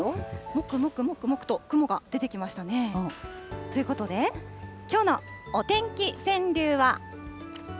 もくもくもくもくと雲が出てきましたね。ということで、きょうのお天気川柳は。